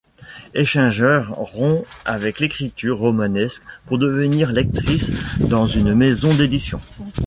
Aichinger rompt avec l'écriture romanesque pour devenir lectrice dans une maison d'édition.